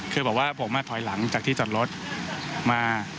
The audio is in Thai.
คือบอกว่าผมมาถอยหลังจากที่จอดรถมา